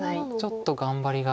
ちょっと頑張りが。